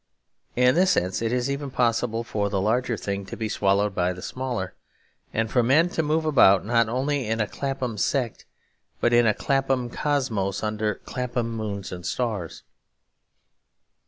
In this sense it is even possible for the larger thing to be swallowed by the smaller; and for men to move about not only in a Clapham sect but in a Clapham cosmos under Clapham moon and stars.